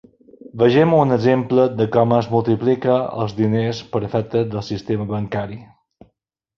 Vegem un exemple de com es multiplica els diners per efecte del sistema bancari.